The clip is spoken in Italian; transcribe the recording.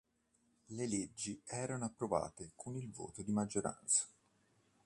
Le leggi erano approvate con il voto di maggioranza.